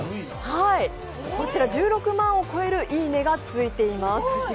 こちら１６万を超える「いいね」がついています。